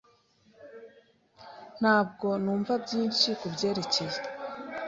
Ntabwo numva byinshi kubyerekeye.